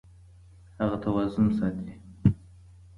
هغه توازن ساتي.